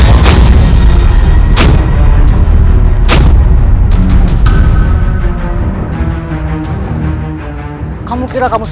itu adalah perubahan yang terjadi